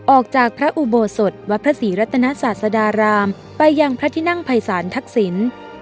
ออกจากพระอุโบสถวัดพระศรีรัตนศาสดารามไปยังพระที่นั่งภัยศาลทักษิณ